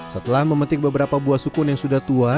setelah memetik beberapa buah sukun yang sudah tua